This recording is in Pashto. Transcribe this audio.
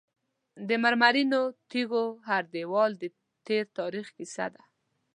د مرمرینو تیږو هر دیوال د تیر تاریخ کیسه ده.